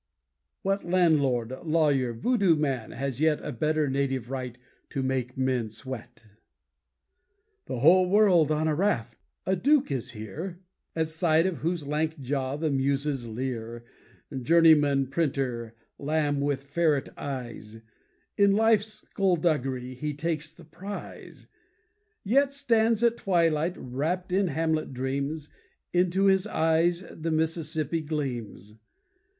What landlord, lawyer, voodoo man has yet A better native right to make men sweat? The whole world on a raft! A Duke is here At sight of whose lank jaw the muses leer. Journeyman printer, lamb with ferret eyes, In life's skullduggery he takes the prize Yet stands at twilight wrapped in Hamlet dreams. Into his eyes the Mississippi gleams.